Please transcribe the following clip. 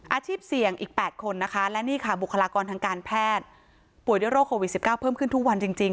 อาชีพเสี่ยงอีก๘คนนะคะและนี่ค่ะบุคลากรทางการแพทย์ป่วยด้วยโรคโควิด๑๙เพิ่มขึ้นทุกวันจริง